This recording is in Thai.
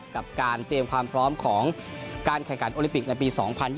กับการเตรียมความพร้อมของการแข่งขันโอลิปิกในปี๒๐๒๐